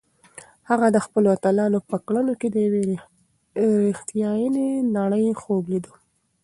هغه د خپلو اتلانو په کړنو کې د یوې رښتیانۍ نړۍ خوب لیده.